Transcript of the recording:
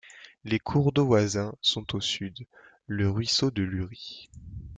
Les cours d'eau voisins sont au sud, le ruisseau de Luri.